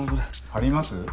貼ります？